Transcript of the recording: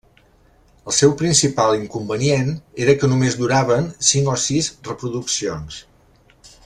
El seu principal inconvenient era que només duraven cinc o sis reproduccions.